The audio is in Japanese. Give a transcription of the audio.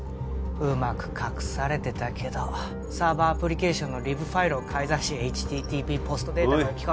うまく隠されてたけどサーバーアプリケーションのリブファイルを改ざんしＨＴＴＰポストデータおい